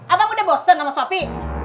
abang udah bosen sama suami